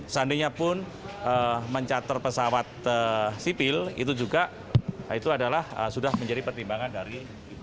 seandainya pun mencater pesawat sipil itu juga itu adalah sudah menjadi pertimbangan dari